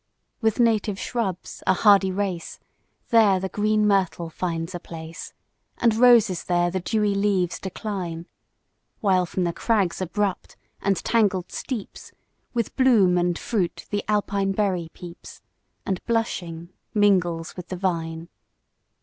With native shrubs, a hardy race, There the green myrtle finds a place, And roses there the dewy leaves decline; While from the crags abrupt, and tangled steeps, With bloom and fruit the Alpine berry peeps, And, blushing, mingles with the vine.